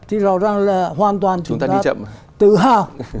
thì rõ ràng là hoàn toàn chúng ta tự hào